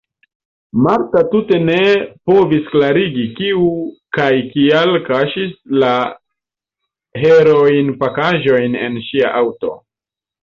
Marta tute ne povis klarigi, kiu kaj kial kaŝis la heroinpakaĵojn en ŝia aŭto.